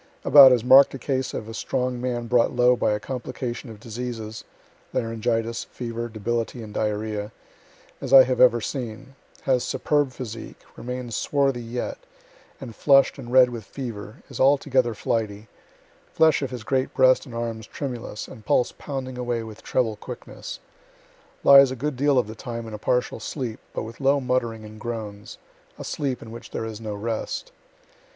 About as mark'd a case of a strong man brought low by a complication of diseases, (laryngitis, fever, debility and diarrhoea,) as I have ever seen has superb physique, remains swarthy yet, and flushed and red with fever is altogether flighty flesh of his great breast and arms tremulous, and pulse pounding away with treble quickness lies a good deal of the time in a partial sleep, but with low muttering and groans a sleep in which there is no rest.